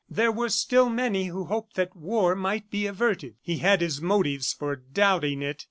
There were still many who hoped that war might be averted. He had his motives for doubting it.